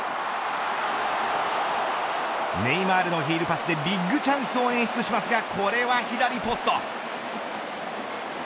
ネイマールのヒールパスでビッグチャンスを演出しますがこれは左ポスト。